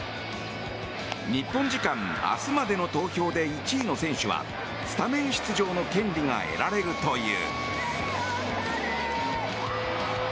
日本時間明日までの投票で１位の選手はスタメン出場の権利が得られるという。